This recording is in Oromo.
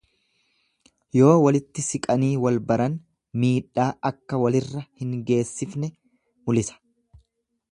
Yoo walitti siiqanii wal baran miidhaa akka walirra hin geessifne mulisa.